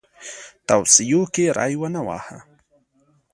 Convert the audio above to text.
توصیو کې ری ونه واهه.